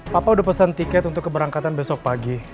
papa udah pesan tiket untuk keberangkatan besok pagi